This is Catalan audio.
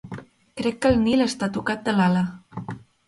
Crec que el Nil està tocat de l'ala.